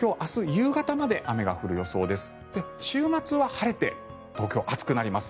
夕方まで雨が降る予想です。